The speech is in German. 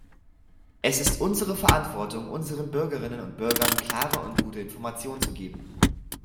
Es ist unsere Verantwortung, unseren Bürgerinnen und Bürgern klare und gute Informationen zu geben.